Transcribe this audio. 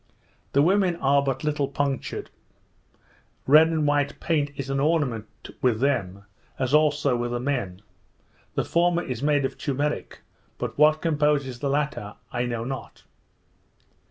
The women are but little punctured; red and white paint is an ornament with them, as also with the men; the former is made of turmeric, but what composes the latter I know not.